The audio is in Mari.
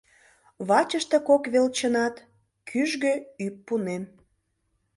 Вачыште кок велчынат — кӱжгӧ ӱппунем.